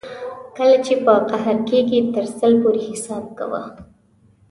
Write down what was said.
کله چې په قهر کېږې تر سل پورې حساب کوه.